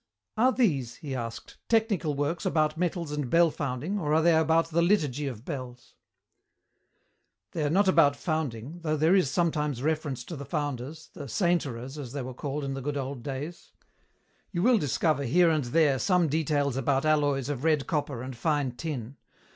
"Are these," he asked, "technical works about metals and bell founding or are they about the liturgy of bells?" "They are not about founding, though there is sometimes reference to the founders, the 'sainterers' as they were called in the good old days. You will discover here and there some details about alloys of red copper and fine tin.